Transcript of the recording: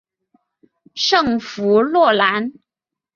圣弗洛兰。